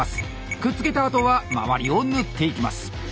くっつけたあとは周りを縫っていきます。